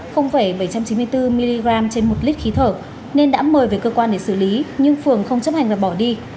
bảy trăm chín mươi bốn mg trên một lít khí thở nên đã mời về cơ quan để xử lý nhưng phường không chấp hành và bỏ đi